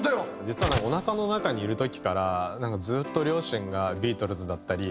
実はなんかおなかの中にいる時からずっと両親がビートルズだったり。